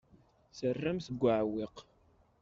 Terram-t deg uɛewwiq.